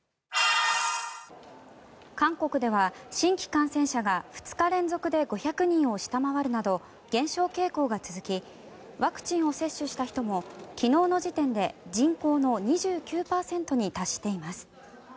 韓国では新規感染者が２日連続で５００人を下回るなど減少傾向が続きワクチンを接種した人も昨日の時点で人口の２９％に達しています。